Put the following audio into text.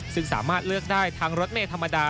ซึ่งสามารถเลือกได้ทั้งรถเมย์ธรรมดา